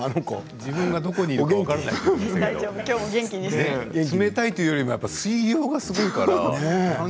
自分がどこにいるか分からないと言っていましたけれど冷たいというよりも水量がすごいから。